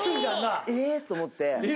え⁉と思って。